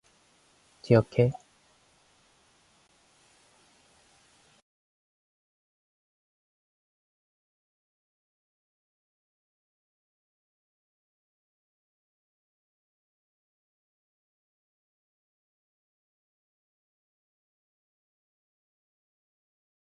한 걸음 두 걸음 집이 가까워 갈수록 그의 마음조차 괴상하게 누그러웠다.